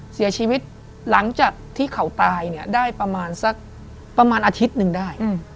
เสียชีวิตหลังจากที่เขาตายได้ประมาณอาทิตย์หนึ่งได้